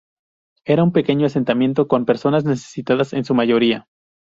Era un pequeño asentamiento con personas necesitadas en su mayoría.